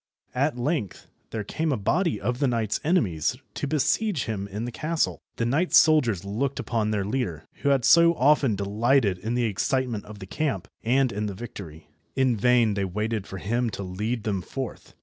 At length there came a body of the knight's enemies to besiege him in his castle. The knight's soldiers looked upon their leader, who had so often delighted in the excitement of the camp, and in the victory. In vain they waited for him to lead them forth.